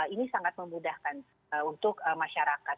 ini sangat memudahkan untuk masyarakat